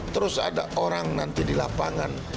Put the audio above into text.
terus ada orang nanti di lapangan